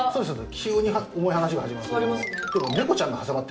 急に重い話が始まって。